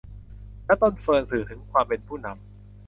และต้นเฟิร์น สื่อถึงความเป็นผู้นำ